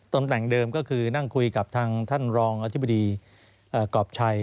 ตำแหน่งเดิมก็คือนั่งคุยกับทางท่านรองอธิบดีกรอบชัย